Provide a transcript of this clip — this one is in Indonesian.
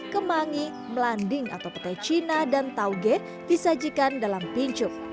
kemangi melanding atau petai cina dan tauge disajikan dalam pincuk